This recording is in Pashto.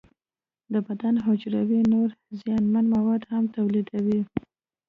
د بدن حجرې نور زیانمن مواد هم تولیدوي.